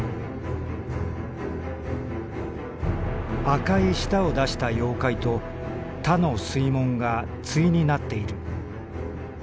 「赤い舌を出した妖怪と田の水門が対になっている。